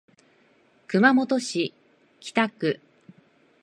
熊本市北区